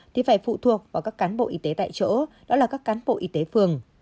thì phải phụ thuộc vào các cán bộ y tế tại chỗ đó là các cán bộ y tế phường